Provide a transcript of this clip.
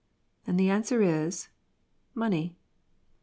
And the answer is, Money.